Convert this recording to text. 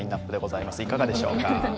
いかがでしょうか？